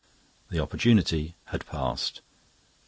The opportunity had passed.